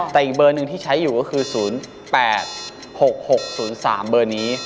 แต่อีกเบอร์หนึ่งที่ใช้อยู่ก็คือ๐๘๖๖๐๓เบอร์นี้